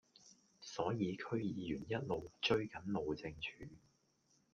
所以區議員一路追緊路政署